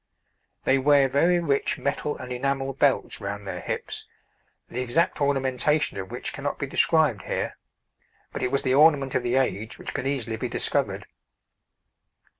They wear very rich metal and enamel belts round their hips, the exact ornamentation of which cannot be described here; but it was the ornament of the age, which can easily be discovered.